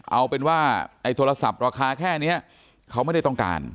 เอาเป็นว่าไอ้โทรศัพท์ราคาแค่นี้เขาไม่ได้ต้องการ